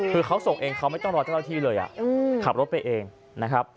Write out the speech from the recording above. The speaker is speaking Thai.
คือเขาส่งเองเขาไม่ต้องรอเจ้าหน้าที่เลยขับรถไปเองนะครับ